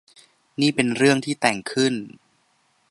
นี่เป็นเรื่องที่แต่งขึ้น